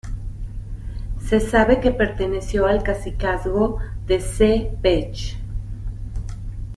Se sabe que perteneció al cacicazgo de Ceh Pech.